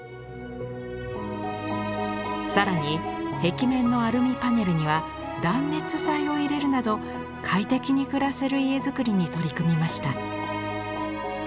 更に壁面のアルミパネルには断熱材を入れるなど快適に暮らせる家づくりに取り組みました。